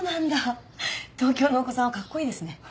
東京のお子さんはかっこいいですね。